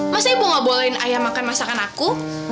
masa ibu gak bolehin ayah makan masakan aku